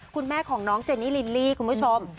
คุณแม่ของน้องเจนี่ลิลลี่คุณผู้ชม